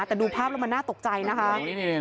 แต่ดูภาพแล้วมันน่าตกใจนะคะ